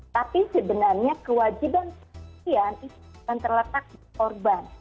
tapi sebenarnya kewajiban saksian itu terletak di korban